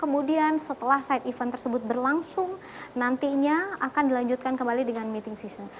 kemudian setelah side event tersebut berlangsung nantinya akan dilanjutkan kembali dengan meeting season